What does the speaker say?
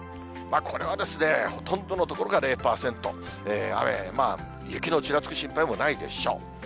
これはほとんどの所が０％、雨、雪のちらつく心配もないでしょう。